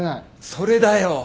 それだよ！